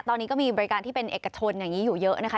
ตอนนี้ก็มีบริการที่เป็นเอกชนอย่างนี้อยู่เยอะนะคะ